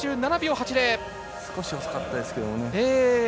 少し遅かったですね。